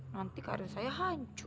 nanti karir saya hancur